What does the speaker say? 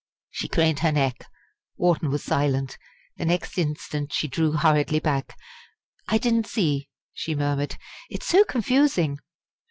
She craned her neck. Wharton was silent. The next instant she drew hurriedly back. "I didn't see," she murmured; "it's so confusing."